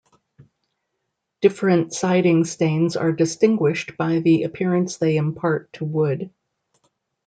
Different siding stains are distinguished by the appearance they impart to wood.